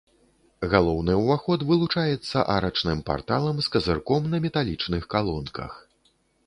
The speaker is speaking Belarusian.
Галоўны ўваход вылучаецца арачным парталам з казырком на металічных калонках.